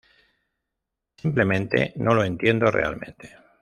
Simplemente no lo entiendo realmente.